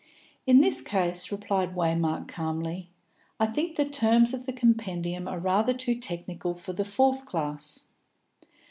"In this case," replied Waymark calmly, "I think the terms of the compendium are rather too technical for the fourth class."